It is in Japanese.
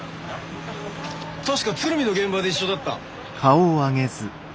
確か鶴見の現場で一緒だった？